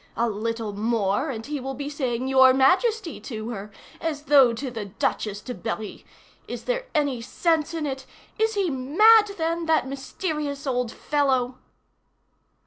A little more and he will be saying Your Majesty to her, as though to the Duchesse de Berry! Is there any sense in it? Is he mad, then, that mysterious old fellow?"